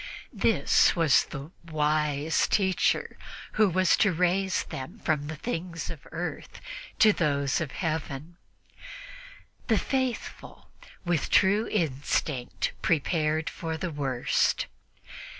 This was the "wise teacher who was to raise them from the things of earth to those of Heaven." The faithful, with true instinct, prepared for the worst.